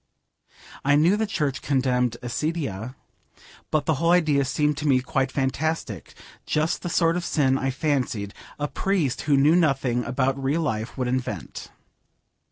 I knew the church condemned accidia, but the whole idea seemed to me quite fantastic, just the sort of sin, I fancied, a priest who knew nothing about real life would invent.